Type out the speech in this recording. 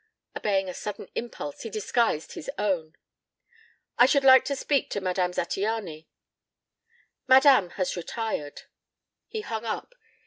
Obeying a sudden impulse he disguised his own. "I should like to speak to Madame Zattiany." "Madame has retired." He hung up.